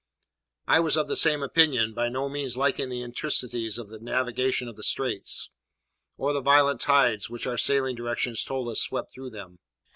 I was of the same opinion, by no means liking the intricacies of the navigation of the Straits, or the violent tides which our sailing directions told us swept through them.